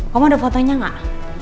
kamu ada fotonya gak